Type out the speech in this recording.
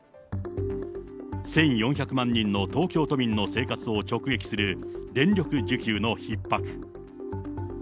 １４００万人の東京都民の生活を直撃する電力需給のひっ迫。